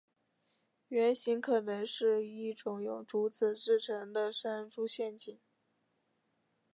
原型可能是一种用竹子制作的山猪陷阱。